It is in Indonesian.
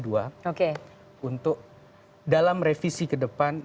untuk dalam revisi ke depan